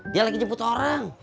dia lagi jemput orang